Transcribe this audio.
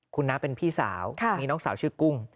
คุณน้าเป็นพี่สาวมีน้องสาวชื่อกุ้ง